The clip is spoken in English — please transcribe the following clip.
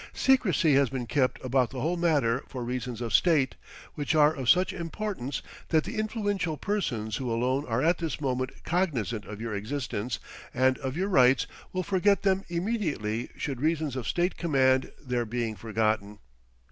Secrecy has been kept about the whole matter for reasons of state, which are of such importance that the influential persons who alone are at this moment cognizant of your existence, and of your rights, will forget them immediately should reasons of state command their being forgotten.